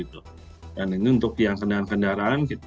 dan ini untuk yang kendaraan kendaraan